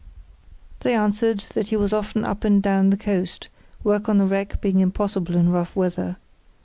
They answered that he was often up and down the coast, work on the wreck being impossible in rough weather.